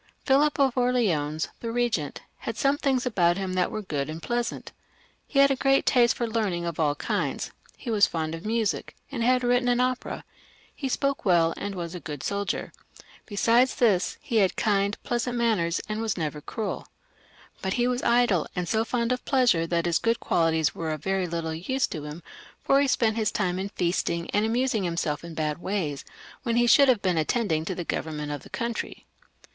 Philip of Orleans, the regent, had some things about him that were good and pleasant. He had a great taste 364 LOUIS XV, [CH. for learning of all kinds ; he was fond of music, and had written an opera ; he spoke well, and was a good soldier ; besides this, he had kind pleasant manners and was never crueL But he was idle, and so fond of pleasure that his good qualities were of very little use to him, for he spent his time in feasting and amusing himself in bad ways, when he should have been attending to the government of the country.